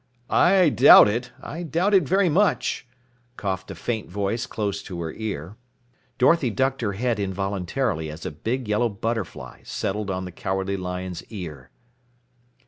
"I doubt it, I doubt it very much!" coughed a faint voice close to her ear. Dorothy ducked her head involuntarily as a big yellow butterfly settled on the Cowardly Lion's ear.